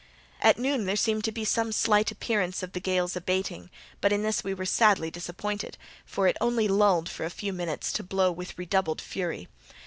At noon there seemed to be some slight appearance of the gale's abating, but in this we were sadly disappointed, for it only lulled for a few minutes to blow with redoubled fury.